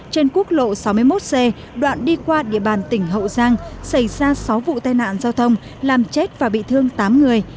trên quốc lộ sáu mươi một c đoạn đi qua địa bàn tỉnh hậu giang xảy ra sáu vụ tai nạn giao thông làm chết và bị thương tám người